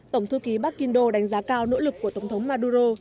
tổng thư ký berkindo đánh giá cao nỗ lực của tổng thống maduro